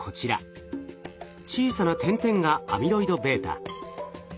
小さな点々がアミロイドβ。